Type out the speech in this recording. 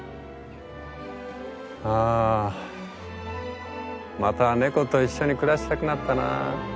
あまた猫と一緒に暮らしたくなったな。